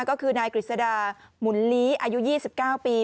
ก็คือนายกฤษดาหมุนลี้อายุยี่สิบเก้าปี